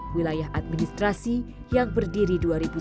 wilayah administrasi yang berdiri dua ribu satu